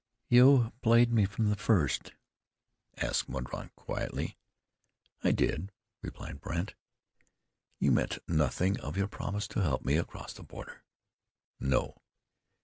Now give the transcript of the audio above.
"You played me from the first?" asked Mordaunt quietly. "I did," replied Brandt. "You meant nothing of your promise to help me across the border?" "No."